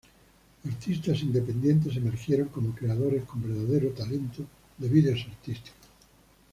Artistas independientes emergieron como creadores con verdadero talento de videos artísticos.